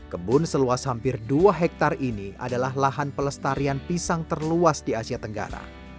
kebun seluas hampir dua hektare ini adalah lahan pelestarian pisang terluas di asia tenggara